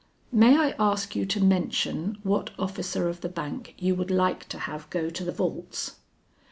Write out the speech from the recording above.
"May I ask you to mention what officer of the bank you would like to have go to the vaults?"